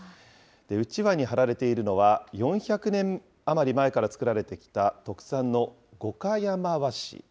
うちわにはられているのは、４００年余り前から作られてきた特産の五箇山和紙。